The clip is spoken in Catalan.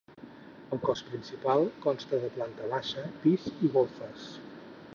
El cos principal consta de planta baixa, pis i golfes.